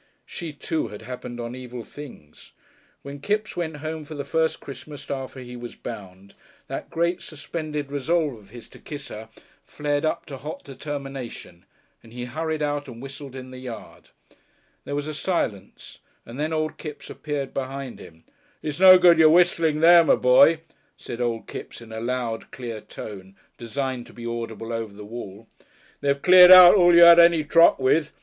She, too, had happened on evil things. When Kipps went home for the first Christmas after he was bound, that great suspended resolve of his to kiss her flared up to hot determination, and he hurried out and whistled in the yard. There was a still silence, and then old Kipps appeared behind him. "It's no good your whistling there, my boy," said Old Kipps in a loud, clear tone, designed to be audible over the wall. "They've cleared out all you 'ad any truck with.